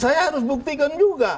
saya harus buktikan juga